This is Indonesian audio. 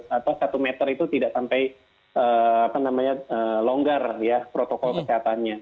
jadi makanya satu meter itu tidak sampai longgar ya protokol kesehatannya